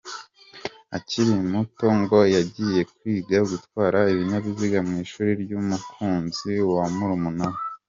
Akiri muto ngo yagiye kwiga gutwara ibinyabiziga mu ishuri ry’umukunzi wa murumuna we.